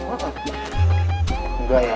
oh engga ya